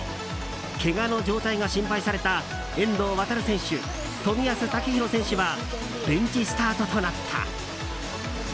けがの状態が心配された遠藤航選手、冨安健洋選手はベンチスタートとなった。